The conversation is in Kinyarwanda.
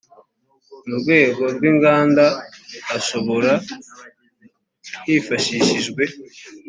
mu rwego rw inganda ashobora hifashishijwe